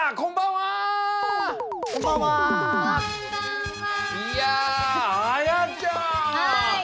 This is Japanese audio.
はい！